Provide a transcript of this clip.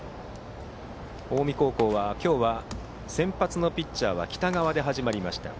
近江高校は今日、先発のピッチャーは北川で始まりました。